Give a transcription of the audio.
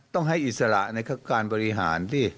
ต้องให้อิสระในการบริหารสิ